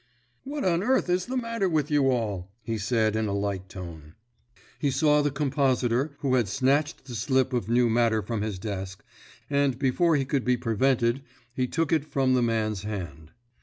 "What on earth is the matter with you all?" he said in a light tone. He saw the compositor who had snatched the slip of new matter from his desk, and before he could be prevented he took it from the man's hand.